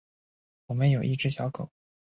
我们有一只小狗